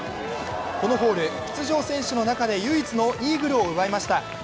このホール、出場選手の中で唯一のイーグルを奪いました。